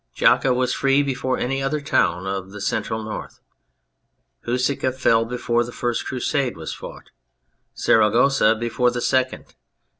Jaca was free before any other town of the Central North, Huesca fell before the first Crusade was fought, Saragossa before the second.